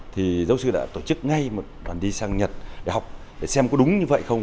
thì giáo sư đã tổ chức ngay một đoàn đi sang nhật để học để xem có đúng như vậy không